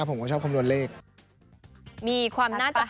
มีความน่าจะเป็นด้วยนะคะ